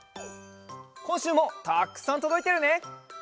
こんしゅうもたっくさんとどいてるね。